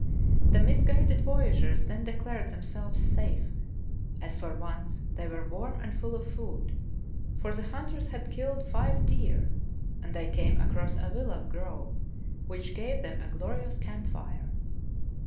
The misguided voyageurs then declared themselves safe, as for once they were warm and full of food, for the hunters had killed five deer and they came across a willow grove which gave them a glorious camp fire.